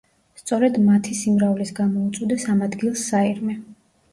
სწორედ მათი სიმრავლის გამო უწოდეს ამ ადგილს საირმე.